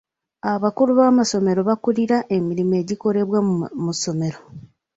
Abakulu b'amasomero bakulira emirimu egikolebwa mu ssomero.